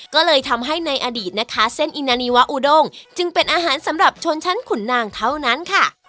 ก็เลยทำให้ในอดีตนะคะเส้นอินนานีวาอูดงจึงเป็นอาหารสำหรับชนชั้นขุนนางเท่านั้นค่ะ